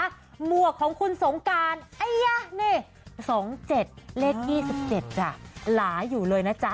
หมวกของคุณสงการนี่๒๗เลข๒๗จ้ะหลาอยู่เลยนะจ๊ะ